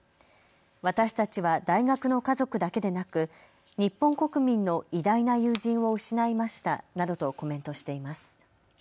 私たちは大学の家族だけでなく日本国民の偉大な友人を失いましたなどとコメントしています。